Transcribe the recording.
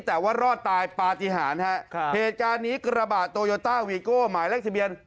แต่ว่ารอดตายปฏิหารฮะค่ะเหตุการณ์นี้กระบะโตโยต้าวีโก้หมายเลขทะเบียน